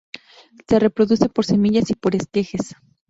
Se reproduce por semillas y por esquejes.